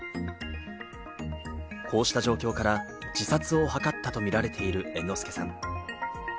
こうした状況から自殺を図ったと見られている猿之助さん。